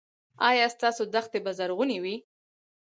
ایا ستاسو دښتې به زرغونې وي؟